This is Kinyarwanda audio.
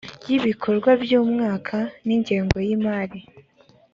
y ibikorwa by umwaka n ingengo y imari